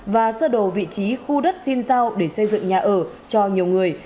và sơ đồ vị trí khu đất xin giao để xây dựng nhà ở cho nhiều người